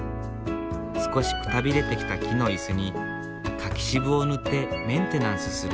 少しくたびれてきた木の椅子に柿渋を塗ってメンテナンスする。